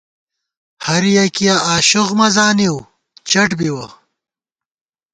ہریَکِیہ آشوخ مہ زانِؤ ، چٹ بِوَہ